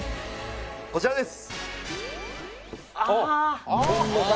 こちらです。